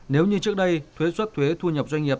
nếu như trước đây thuế xuất thuế thu nhập doanh nghiệp